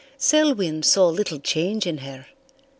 Selwyn saw little change in her.